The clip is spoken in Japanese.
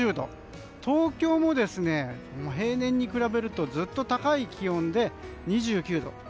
東京も平年に比べるとずっと高い気温で２９度。